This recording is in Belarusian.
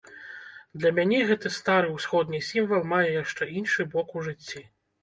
Для мяне гэты стары ўсходні сімвал мае яшчэ іншы бок у жыцці.